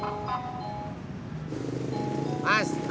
ibu makasih ya